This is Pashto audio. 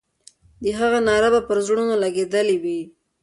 د هغې ناره به پر زړونو لګېدلې وي.